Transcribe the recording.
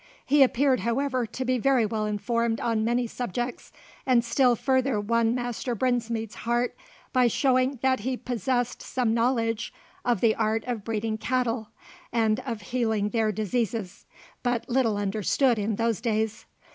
He appeared, however, to be very well informed on many subjects, and still further won Master Brinsmead's heart by showing that he possessed some knowledge of the art of breeding cattle, and of healing their diseases, but little understood in those days.